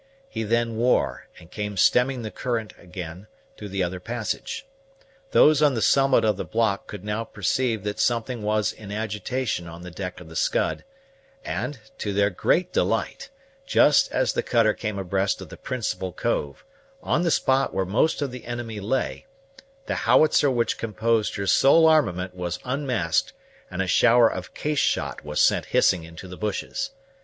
He then wore, and came stemming the current again, through the other passage. Those on the summit of the block could now perceive that something was in agitation on the deck of the Scud; and, to their great delight, just as the cutter came abreast of the principal cove, on the spot where most of the enemy lay, the howitzer which composed her sole armament was unmasked, and a shower of case shot was sent hissing into the bushes.